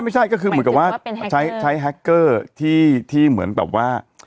ไม่ใช่ก็คือเหมือนกับว่าใช้แฮคเกอร์ที่เหมือนแบบว่า